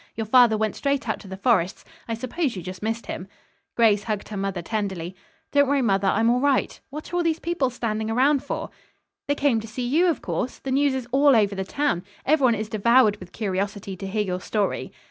Your father went straight out to the Forrests. I suppose you just missed him." Grace hugged her mother tenderly. "Don't worry, mother. I'm all right. What are all these people standing around for?" "They came to see you, of course. The news is all over town. Everyone is devoured with curiosity to hear your story."